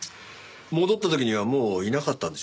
戻った時にはもういなかったんでしょ？